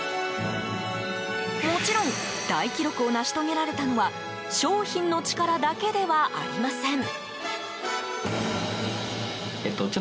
もちろん大記録を成し遂げられたのは商品の力だけではありません。